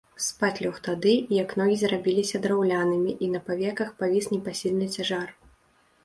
Спаць лёг тады, як ногі зрабіліся драўлянымі і на павеках павіс непасільны цяжар.